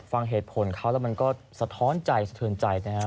ฟังเหตุผลเขาแล้วมันก็สะท้อนใจสะเทือนใจนะครับ